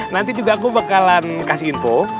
nanti juga aku bakalan kasih info